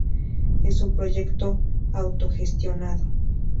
Es un proyecto autogestionado.